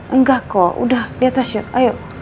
enggak kok udah di atas siap ayo